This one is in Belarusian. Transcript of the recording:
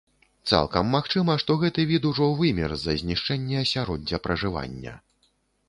Цалкам магчыма, што гэты від ужо вымер з-за знішчэння асяроддзя пражывання.